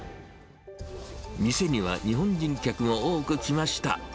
店には日本人客も多く来ました。